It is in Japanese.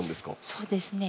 そうですね。